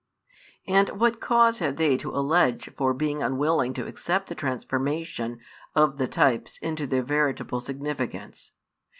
And what cause had they to allege for being unwilling to accept the transformation of the types into their veritable significance?